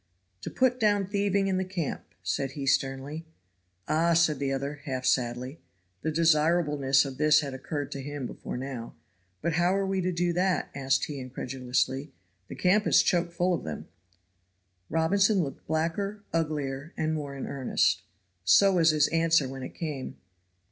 "To put down thieving in the camp," said he, sternly. "Ah!" said the other, half sadly (the desirableness of this had occurred to him before now); "but how are we to do that?" asked he, incredulously. "The camp is choke full of them." Robinson looked blacker, uglier and more in earnest. So was his answer when it came.